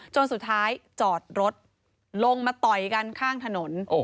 จนสุดท้ายจอดรถลงมาต่อยกันข้างถนน